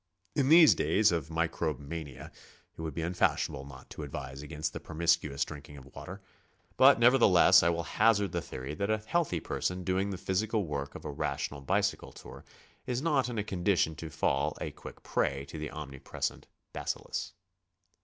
In these days of microbe mania it would be unfashionable not to advise against the promiscu ous drinking of water, but nevertheless I will hazard the theory that a healthy person doing the physical work of a rational bicycle tour is not in a condition to fall a quick prey to the omnipresent bacillus.